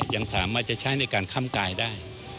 ยังสามารถจะใช้ในการค่ำกายได้